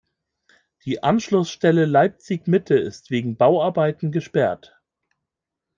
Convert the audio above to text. Die Anschlussstelle Leipzig-Mitte ist wegen Bauarbeiten gesperrt.